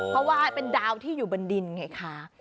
เพราะว่าเป็นดาวที่อยู่บนดินไงคะ